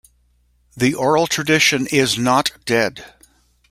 The oral tradition is not dead.